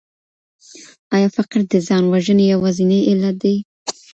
آيا فقر د ځان وژنې يوازينی علت دی؟